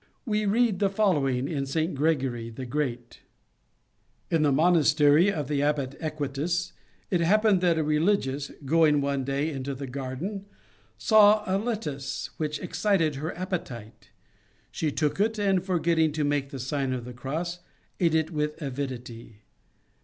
We read the following in St. Gregory the Great: "In the monastery of the abbot Equitius, it happened that a religious, going one day into the garden, saw a lettuce which excited her appetite. She took it, and forgetting to make the Sign of the Cross, ate it with avidity.